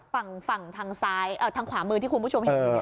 ฝั่งฝั่งทางซ้ายทางขวามือที่คุณผู้ชมเห็นอยู่